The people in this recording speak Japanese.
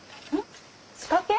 仕掛け？